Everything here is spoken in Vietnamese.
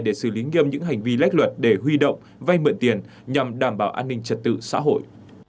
để xử lý nghiêm những hành vi lách luật để huy động vay mượn tiền nhằm đảm bảo an ninh trật tự xã hội